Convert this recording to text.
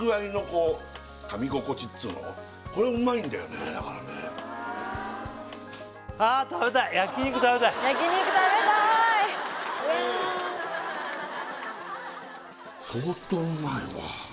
これうまいんだよねだからねあー食べたいうわ